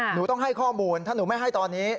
หนูต้องให้ข้อมูลถ้าหนูไม่ให้ตอนนี้